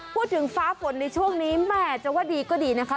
พูดถึงฟ้าฝนในช่วงนี้แหมจังว่าดีก็ดีนะค่ะ